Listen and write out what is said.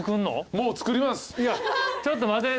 もう作ります。